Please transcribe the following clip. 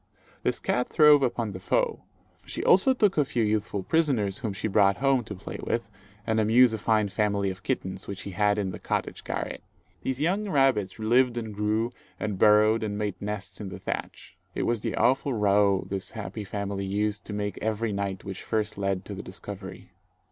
This cat throve upon the foe. She also took a few youthful prisoners, whom she brought home to play with and amuse a fine family of kittens, which she had in the cottage garret. These young rabbits lived and grew, and burrowed and made nests in the thatch. It was the awful row this happy family used to make every night which first led to the discovery.